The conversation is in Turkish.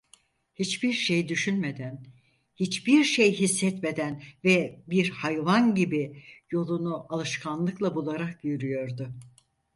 Hiçbir şey düşünmeden, hiçbir şey hissetmeden ve bir hayvan gibi yolunu alışkanlıkla bularak yürüyordu.